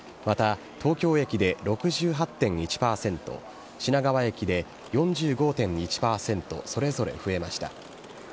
また、東京駅で６８．１％、品川駅で４５．１％、それぞれ増えました。